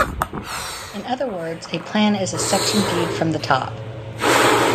In other words, a plan is a section viewed from the top.